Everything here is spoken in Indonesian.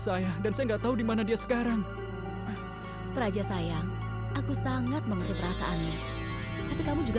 saya gak sadar kalau ibu benar benar mencintai saya